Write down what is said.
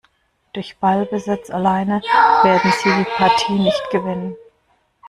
Durch Ballbesitz alleine werden sie die Partie nicht gewinnen.